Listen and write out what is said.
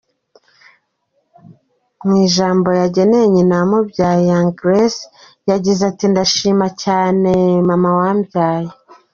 Mu ijambo yageneye nyina wamubyaye, Young Grace yagize ati: “Ndashimira cyaneeee mama wanjye.